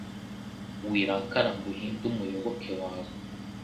Wirakara ngo uhinde umuyoboke wawe